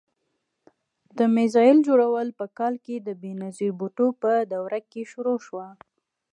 د میزایل جوړول په کال کې د بېنظیر بوټو په دور کې شروع شو.